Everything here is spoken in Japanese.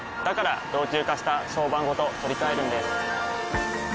から老朽化した床版ごと取り替えるんです。